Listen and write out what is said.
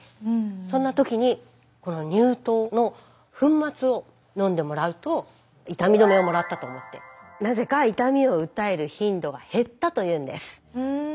そんな時にこの乳糖の粉末を飲んでもらうと痛み止めをもらったと思ってなぜか痛みを訴える頻度が減ったというんです。